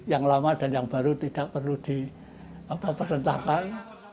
yang lama dan yang baru tidak perlu diperintahkan